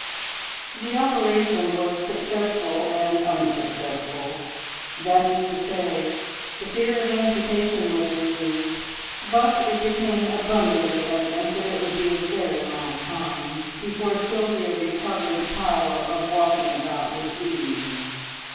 The operation was successful and unsuccessful that is to say, the fear of amputation was removed; but it became abundantly evident that it would be a very long time before Sylvia recovered the power of walking about with ease.